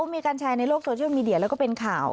มีการแชร์ในโลกโซเชียลมีเดียแล้วก็เป็นข่าว